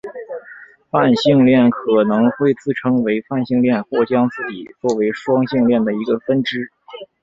泛性恋可能会自称为泛性恋或将自己做为双性恋的一个分支。